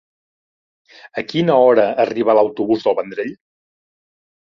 A quina hora arriba l'autobús del Vendrell?